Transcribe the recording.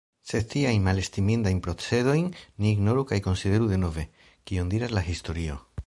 Sed tiajn malestimindajn procedojn ni ignoru kaj konsideru denove, kion diras la historio.